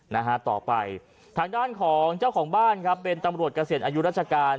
นะฮะต่อไปทางด้านของเจ้าของบ้านครับเป็นตำรวจเกษียณอายุราชการ